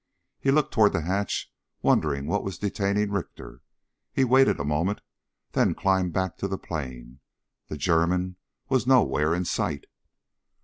He looked toward the hatch wondering what was detaining Richter. He waited a moment, then climbed back to the plain. The German was nowhere in sight.